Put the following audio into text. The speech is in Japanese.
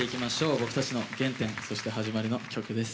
僕たちの原点そして始まりの曲です。